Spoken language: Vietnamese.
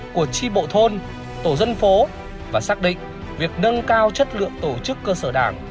của tri bộ thôn tổ dân phố và xác định việc nâng cao chất lượng tổ chức cơ sở đảng